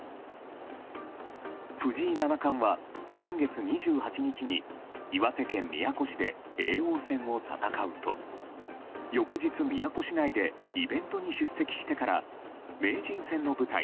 藤井七冠は先月２８日に岩手県宮古市で叡王戦を戦うと翌日、宮古市内でイベントに出席してから名人戦の舞台